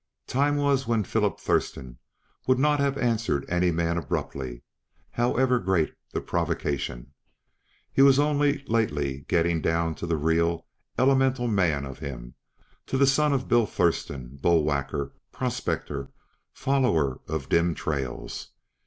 Time was when Philip Thurston would not have answered any man abruptly, however great the provocation. He was only lately getting down to the real, elemental man of him; to the son of Bill Thurston, bull whacker, prospector, follower of dim trails.